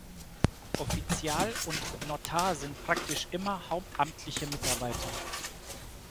Offizial und Notar sind praktisch immer hauptamtliche Mitarbeiter.